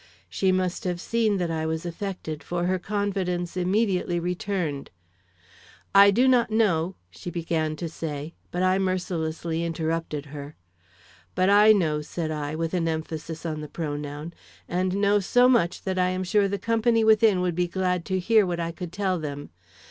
She must have seen that I was affected, for her confidence immediately returned. "I do not know, " she began to say. But I mercilessly interrupted her. "But I know," said I, with an emphasis on the pronoun, "and know so much that I am sure the company within would be glad to hear what I could tell them.